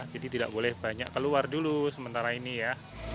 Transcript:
jadi tidak boleh banyak keluar dulu sementara ini ya